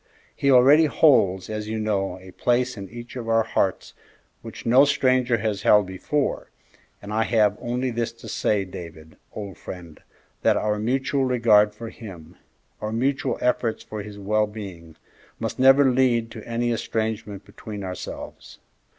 He already holds, as you know, a place in each of our hearts which no stranger has held before, and I have only this to say, David, old friend, that our mutual regard for him, our mutual efforts for his well being, must never lead to any estrangement between ourselves.